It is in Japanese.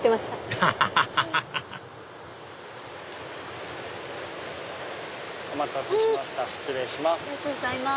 アハハハお待たせしました失礼します。